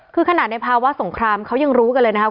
คือขนาดในภาวะสงครามเขายังรู้กันเลยนะครับ